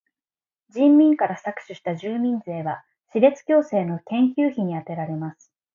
人民から搾取した住民税は歯列矯正の研究費にあてられます。